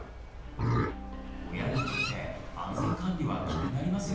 親にとって安全管理は気になりますよね。